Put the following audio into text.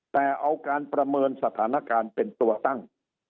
แต่เอาการประเมินสถานการณ์เป็นตัวตั้ง